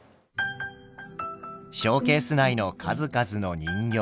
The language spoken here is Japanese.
ショーケース内の数々の人形。